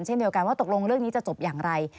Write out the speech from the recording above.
เช่นเดียวกันว่าตกลงเรื่องนี้จะจบอย่างไร